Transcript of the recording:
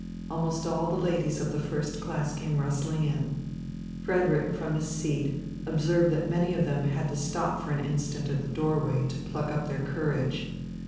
Almost all the ladies of the first class came rustling in. Frederick from his seat observed that many of them had to stop for an instant at the doorway to pluck up their courage.